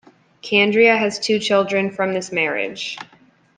Candrea has two children from this marriage.